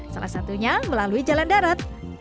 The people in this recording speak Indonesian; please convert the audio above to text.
salah satunya melalui jalan darat